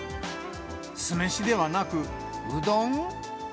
酢飯ではなく、うどん？